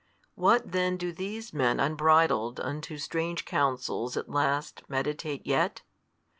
What then do these men unbridled unto strange counsels at last meditate yet?